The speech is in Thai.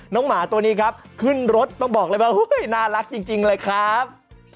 หมาตัวนี้ครับขึ้นรถต้องบอกเลยว่าน่ารักจริงเลยครับ